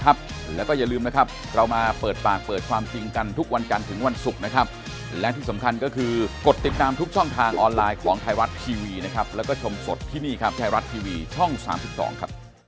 กลัวว่าแฟนอ่ะจะถูกกระทำแบบนี้อีก